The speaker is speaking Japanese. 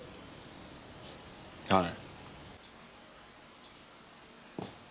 はい。